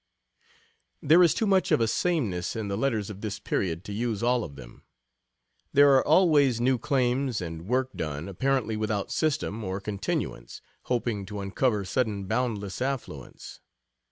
There is too much of a sameness in the letters of this period to use all of them. There are always new claims, and work done, apparently without system or continuance, hoping to uncover sudden boundless affluence.